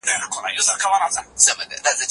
هغه د ماشومانو زده کړه او ښوونه مهمه ګڼله.